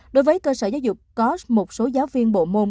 đối với cơ sở giáo dục có một số giáo viên bộ môn